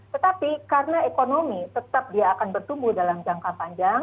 tetapi karena ekonomi tetap dia akan bertumbuh dalam jangka panjang